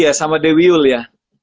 ya brury sama dewiul ya